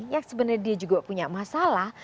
yang sebenarnya dia juga punya masalah